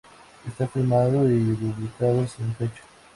Está firmado y rubricado sin fecha.